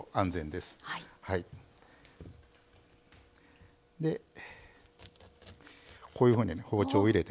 でこういうふうに包丁入れてね。